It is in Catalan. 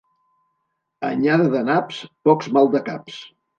Anyada de naps, pocs maldecaps.